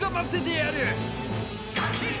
「ガキン！」